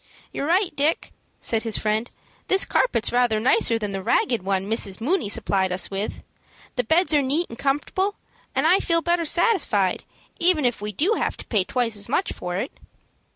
"You're right, Dick," said his friend. "This carpet's rather nicer than the ragged one Mrs. Mooney supplied us with. The beds are neat and comfortable, and I feel better satisfied, even if we do have to pay twice as much for it."